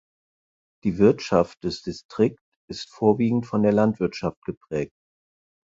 Die Wirtschaft des Distrikt ist vorwiegend von der Landwirtschaft geprägt.